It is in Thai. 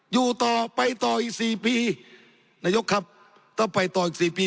อยู่ต่อไปต่ออีกสี่ปีนายกครับถ้าไปต่ออีกสี่ปี